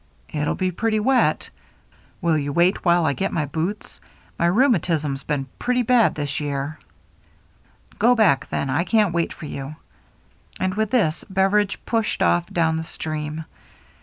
" It'll he pretty wet. Will you wait while I get my boots ? My rheumatism's been pretty bad this year —"" Go back, then, I can't wait for you." And with this, Beveridge pushed ofF down the stream.